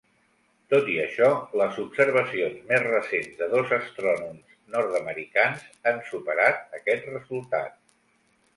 Tot i això, les observacions més recents de dos astrònoms nord-americans han superat aquest resultat.